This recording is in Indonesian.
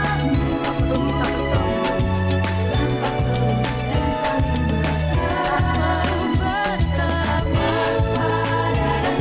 tanpa berhutu tanpa peluh tanpa peluh dan saling berjalan